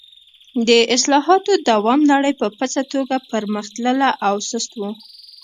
د اصلاحاتو دوام لړۍ په پڅه توګه پر مخ تلله او سست و.